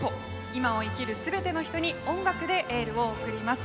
今を生きるすべての人に音楽でエールを送ります。